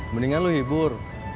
mendingan lo hibur